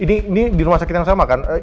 ini di rumah sakit yang sama kan